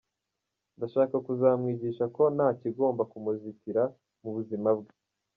Ndashaka kuzamwigisha ko nta kigomba kumuzitira mu buzima bwe.